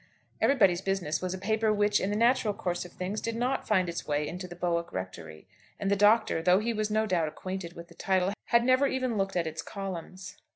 'Everybody's Business' was a paper which, in the natural course of things, did not find its way into the Bowick Rectory; and the Doctor, though he was no doubt acquainted with the title, had never even looked at its columns.